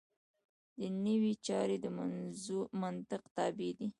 دنیوي چارې د منطق تابع دي.